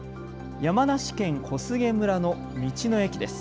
山梨県小菅村の道の駅です。